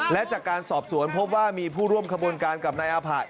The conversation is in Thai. และจากการสอบสวนพบว่ามีผู้ร่วมขบวนการกับนายอาผะ